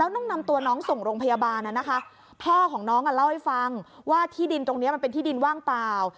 ต้องนำตัวน้องส่งโรงพยาบาลนะคะพ่อของน้องเล่าให้ฟังว่าที่ดินตรงนี้มันเป็นที่ดินว่างเปล่า